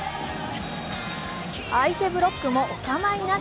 相手ブロックもお構いなし。